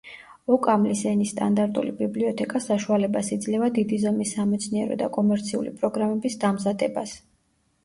ოკამლის ენის სტანდარტული ბიბლიოთეკა საშუალებას იძლევა დიდი ზომის სამეცნიერო და კომერციული პროგრამების დამზადებას.